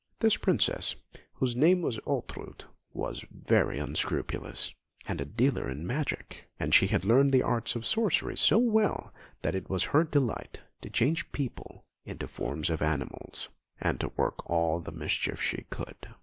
This Princess, whose name was Ortrud, was very unscrupulous, and a dealer in magic; and she had learnt the arts of sorcery so well that it was her delight to change people into the forms of animals, and to work all the mischief she could.